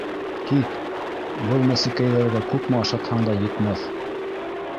— Кит, был мәсекәйҙәргә күпме ашатһаң да етмәҫ!